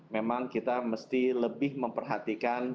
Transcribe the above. memang kita mesti lebih memperhatikan